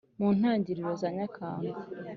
mu ntangiriro za nyakanga